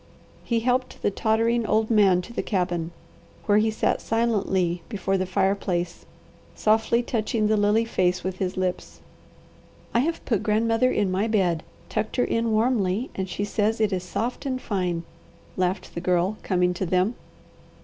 He helped the tottering old man to the cabin, where he sat silently before the fireplace softly touching the lily face with his lips. "I have put grandmother in my bed, tucked her in warmly, and she says it is soft and fine," laughed the Girl, coming to them.